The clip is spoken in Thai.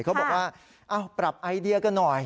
เขาบอกว่าปรับไอเดียกันหน่อย